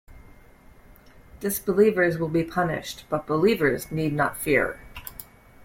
Disbelievers will be punished, but believers need not fear.